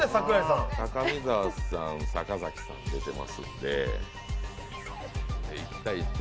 高見沢さん、坂崎さん、出てますんで。